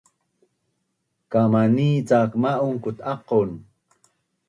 kamani cak ma’un kut’aqon